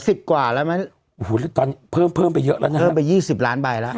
สิบกว่าแล้วไหมโอ้โหตอนนี้เพิ่มเพิ่มไปเยอะแล้วนะเพิ่มไปยี่สิบล้านใบแล้ว